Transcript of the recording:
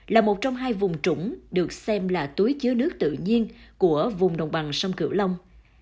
là một trong hai vùng trũng được xem là túi chứa nước tự nhiên của vùng đồng bằng sông cửu long